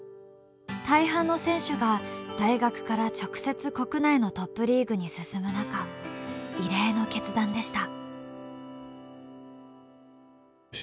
大半の選手が大学から直接国内のトップリーグに進む中異例の決断でした。